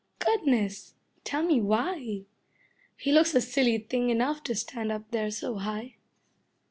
Goodness! Tell me why? He looks a silly thing enough to stand up there so high.